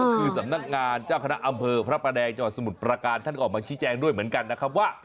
คือสำนักงานเจ้าคณะอำเภอพระประแดงจังหวัดสมุทรประการท่านก็ออกมาชี้แจงด้วยเหมือนกันนะครับว่า